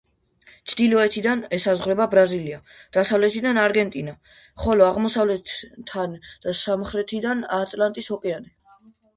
ჩრდილოეთიდან ესაზღვრება ბრაზილია, დასავლეთიდან არგენტინა, ხოლო აღმოსავლეთიდან და სამხრეთიდან ატლანტის ოკეანე.